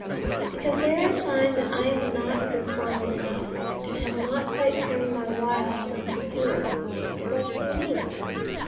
Because they are a sign that I am not a good farmer enough, and have not quite turned my Wild into Field. What do you mean?